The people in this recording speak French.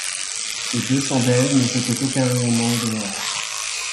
Ces deux chandelles ne jetaient aucun rayonnement au dehors.